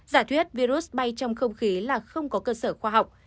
giả thuyết virus bay trong không khí là không có cơ sở khoa học